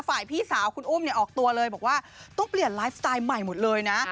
พี่สาวคุณอุ้มเนี่ยออกตัวเลยบอกว่าต้องเปลี่ยนไลฟ์สไตล์ใหม่หมดเลยนะ